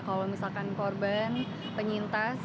kalau misalkan korban penyintas